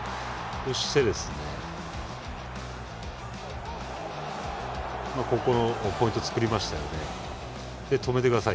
そしてポイントを作りましたよね。